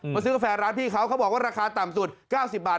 ซื้อกาแฟร้านพี่เขาเขาบอกว่าราคาต่ำสุด๙๐บาท